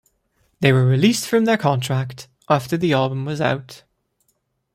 They were released from their contract after the album was out.